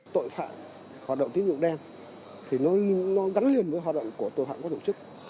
tội phạm hoạt động tín dụng đen thì nó gắn liền với hoạt động của tội phạm có tổ chức